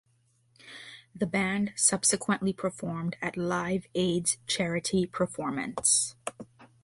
The band subsequently performed at Live Aid's charity performance.